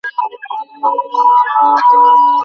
এই কাজের স্থায়ী ফললাভ করিতে সময় লাগিবে।